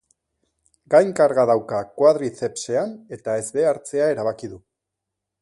Gainkarga dauka kuadrizepsean eta ez behartzea erabaki du.